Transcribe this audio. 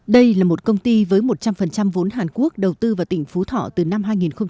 đây là một công ty với một trăm linh vốn hàn quốc đầu tư vào tỉnh phú thọ từ năm hai nghìn một mươi